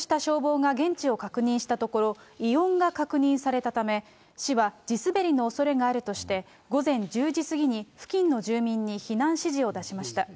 到着した消防が現地を確認したところ、異音が確認されたため、市は地滑りのおそれがあるとして、午前１０時過ぎに付近の住民に避難指示を出しました。